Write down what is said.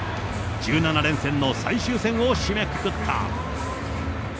１７連戦の最終戦を締めくくった。